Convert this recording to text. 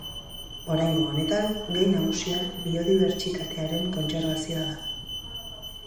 Oraingo honetan, gai nagusia biodibertsitatearen kontserbazioa da.